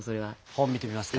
本見てみますか？